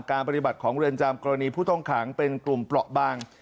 การปฏิบัติของเรือนจำกรณีผู้ทงขังเป็นกลุ่มปลอบบาง